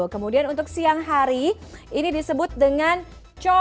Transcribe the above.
kemudian untuk siang hari ini disebut dengan co